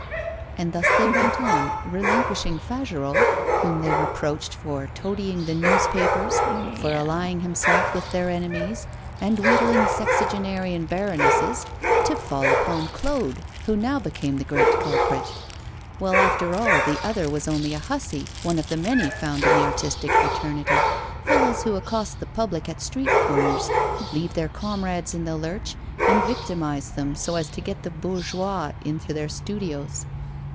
And thus they went on, relinquishing Fagerolles, whom they reproached for toadying the newspapers, for allying himself with their enemies and wheedling sexagenarian baronesses, to fall upon Claude, who now became the great culprit. Well, after all, the other was only a hussy, one of the many found in the artistic fraternity, fellows who accost the public at street corners, leave their comrades in the lurch, and victimise them so as to get the bourgeois into their studios.